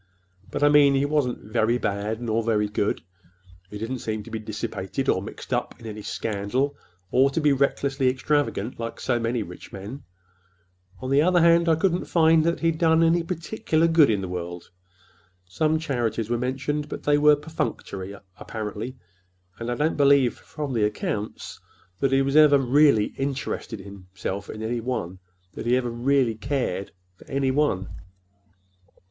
But I mean, he wasn't very bad, nor very good. He didn't seem to be dissipated, or mixed up in any scandal, or to be recklessly extravagant, like so many rich men. On the other hand, I couldn't find that he'd done any particular good in the world. Some charities were mentioned, but they were perfunctory, apparently, and I don't believe, from the accounts, that he ever really interested himself in any one—that he ever really cared for—any one."